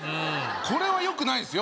これはよくないですよ